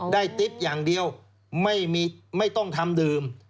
ติ๊บอย่างเดียวไม่ต้องทำดื่ม